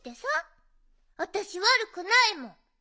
あたしわるくないもん！